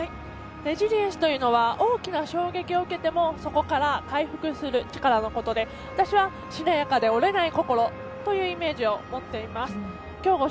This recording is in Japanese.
レジリエンスというのは大きな衝撃を受けてもそこから回復する力で私は、しなやかで折れない心というイメージを持っています。